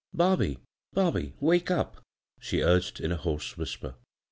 " Bobby, Bobby, walce up I " she urged in a hoarse whisper.